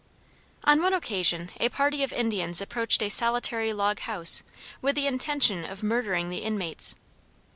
On one occasion a party of Indians approached a solitary log house with the intention of murdering the inmates.